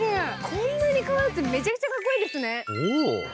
こんなに変わるってめちゃくちゃかっこいいですね。